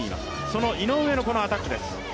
その井上のこのアタックです。